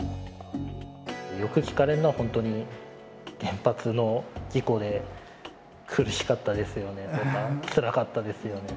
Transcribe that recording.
よく聞かれるのは本当に「原発の事故で苦しかったですよね」とか「つらかったですよね」